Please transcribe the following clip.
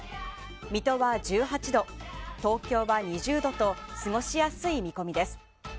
水戸は１８度、東京は２０度と過ごしやすい見込みです。